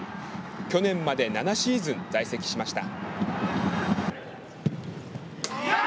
去年まで７シーズン在籍しました。